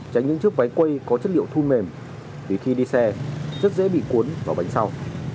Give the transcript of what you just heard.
tránh những chiếc váy quay có chất liệu thu mềm vì khi đi xe rất dễ bị cuốn vào bánh sau